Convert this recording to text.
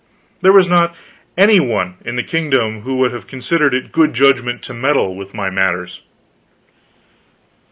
There was not any one in the kingdom who would have considered it good judgment to meddle with my matters.